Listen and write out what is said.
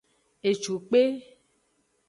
Ecukpe.